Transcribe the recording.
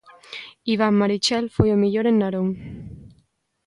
Iván Marichel foi o mellor en Narón.